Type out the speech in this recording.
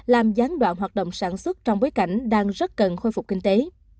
làm gián đoạn hoạt động sản xuất trong bối cảnh đang rất cần khôi phục kinh tế